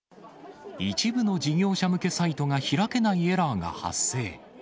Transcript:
一部の事業者向けサイトが開けないエラーが発生。